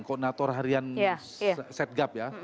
koordinator harian set gap ya